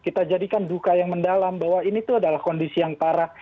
kita jadikan duka yang mendalam bahwa ini tuh adalah kondisi yang parah